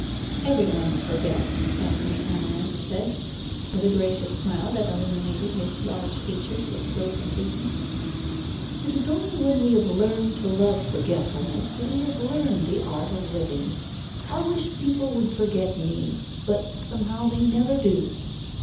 "Every one forgets," Esmé Amarinth said, with a gracious smile that illuminated his large features with slow completeness. "It is only when we have learned to love forgetfulness that we have learned the art of living. I wish people would forget me; but somehow they never do.